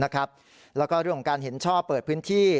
แล้วก็เรื่องของการเห็นชอบเปิดพื้นที่